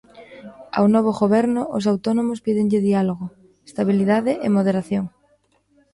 Ao novo Goberno, os autónomos pídenlle diálogo, estabilidade e moderación.